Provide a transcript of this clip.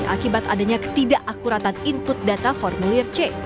akibat adanya ketidakakuratan input data formulir c